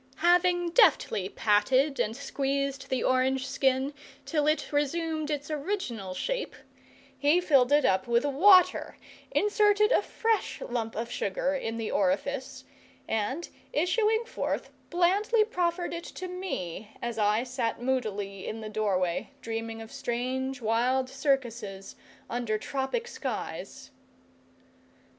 Having deftly patted and squeezed the orange skin till it resumed its original shape, he filled it up with water, inserted a fresh lump of sugar in the orifice, and, issuing forth, blandly proffered it to me as I sat moodily in the doorway dreaming of strange wild circuses under tropic skies.